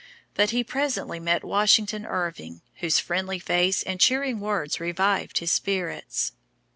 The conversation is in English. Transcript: But he presently met Washington Irving, whose friendly face and cheering words revived his spirits.